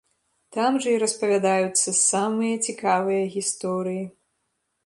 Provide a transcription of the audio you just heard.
Там жа і распавядаюцца самыя цікавыя гісторыі.